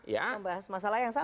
membahas masalah yang sama